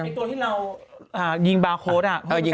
ตัวที่เรายิงบาร์โค้ดยิง